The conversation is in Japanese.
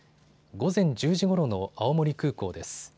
午前１０時ごろの青森空港です。